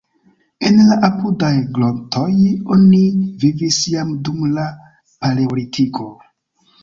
En la apudaj grotoj oni vivis jam dum la paleolitiko.